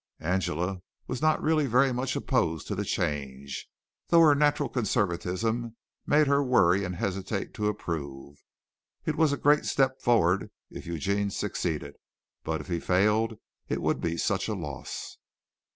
Angela was really not very much opposed to the change, though her natural conservatism made her worry and hesitate to approve. It was a great step forward if Eugene succeeded, but if he failed it would be such a loss.